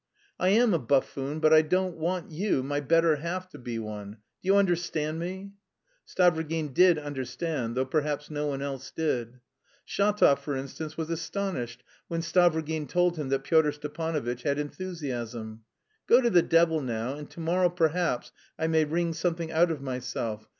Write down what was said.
"I am a buffoon, but I don't want you, my better half, to be one! Do you understand me?" Stavrogin did understand, though perhaps no one else did. Shatov, for instance, was astonished when Stavrogin told him that Pyotr Stepanovitch had enthusiasm. "Go to the devil now, and to morrow perhaps I may wring something out of myself.